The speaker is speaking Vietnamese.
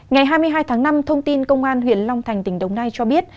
ngày hai mươi hai tháng năm thông tin công an huyện long thành tỉnh đồng nai cho biết